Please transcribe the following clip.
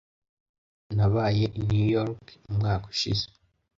Nabaye i New York umwaka ushize.